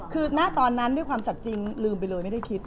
คือหน้าตอนนั้นด้วยความสัดจริงลืมไปเลยไม่ได้คิด